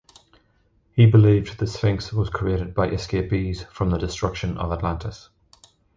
He believed the Sphinx was created by escapees from the destruction of Atlantis.